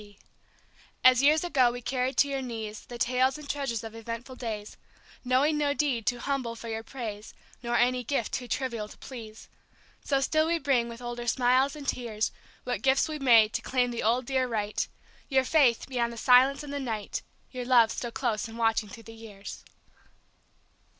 T. As years ago we carried to your knees The tales and treasures of eventful days, Knowing no deed too humble for your praise, Nor any gift too trivial to please, So still we bring, with older smiles and tears, What gifts we may, to claim the old, dear right; Your faith, beyond the silence and the night, Your love still close and watching through the years.